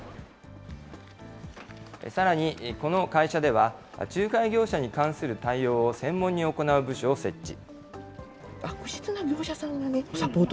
さらに、この会社では、仲介業者に関する対応を専門に行う部署を設置。